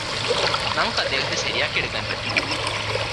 നമുക്ക് അദ്ദേഹത്തെ ശരിയാക്കിയെടുക്കാന് പറ്റും